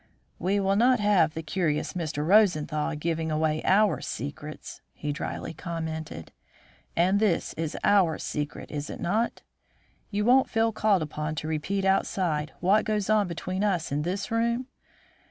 "We will not have the curious Mr. Rosenthal giving away our secrets," he dryly commented. "And this is our secret, is it not? You won't feel called upon to repeat outside what goes on between us in this room?"